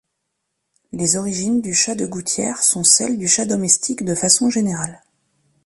Les origines du chat de gouttière sont celles du chat domestique de façon générale.